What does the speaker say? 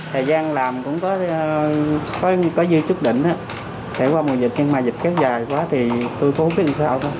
thời gian làm cũng có dư chức đỉnh kể qua mùa dịch nhưng mà dịch kết dài quá thì tôi cũng không biết làm sao